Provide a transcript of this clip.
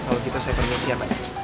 pada saat itu saya permisi ya pak